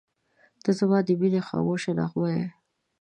• ته زما د مینې خاموشه نغمه یې.